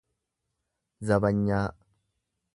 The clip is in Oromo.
zabanyaa